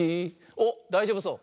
おっだいじょうぶそう。